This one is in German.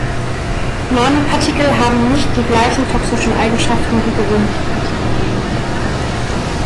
Nanopartikel haben nicht die gleichen toxischen Eigenschaften wir gewöhnliche Partikel.